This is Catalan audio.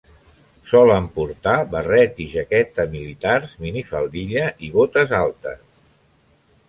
Solen portar barret i jaqueta militars, minifaldilla i botes altes.